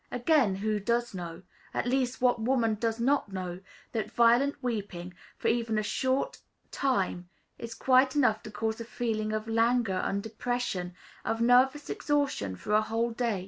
Again, who does not know at least, what woman does not know that violent weeping, for even a very short time, is quite enough to cause a feeling of languor and depression, of nervous exhaustion for a whole day?